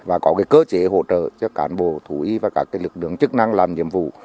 và có cơ chế hỗ trợ cho cán bộ thủ y và các lực lượng chức năng làm nhiệm vụ